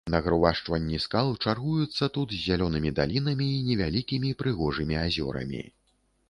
Нагрувашчванні скал чаргуюцца тут з зялёнымі далінамі і невялікімі прыгожымі азёрамі.